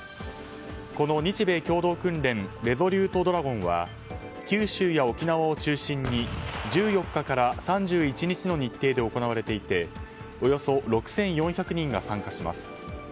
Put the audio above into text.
この日米共同訓練レゾリュート・ドラゴンは九州や沖縄を中心に１４日から３１日の日程で行われていておよそ６４００人が参加します。